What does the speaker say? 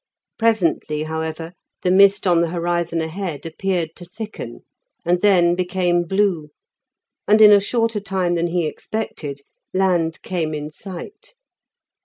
Presently, however, the mist on the horizon ahead appeared to thicken, and then became blue, and in a shorter time than he expected land came in sight.